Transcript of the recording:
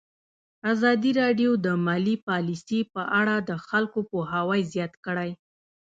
ازادي راډیو د مالي پالیسي په اړه د خلکو پوهاوی زیات کړی.